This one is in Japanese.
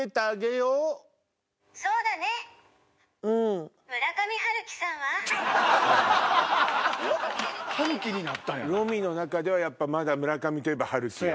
Ｒｏｍｉの中ではやっぱまだ「村上」といえば春樹よ。